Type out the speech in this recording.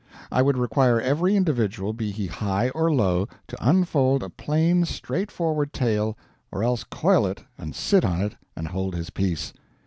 I would require every individual, be he high or low, to unfold a plain straightforward tale, or else coil it and sit on it and hold his peace.